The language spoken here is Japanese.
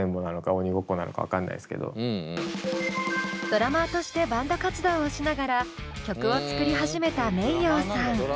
ドラマーとしてバンド活動をしながら曲を作り始めたｍｅｉｙｏさん。